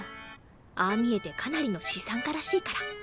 ああ見えてかなりの資産家らしいから。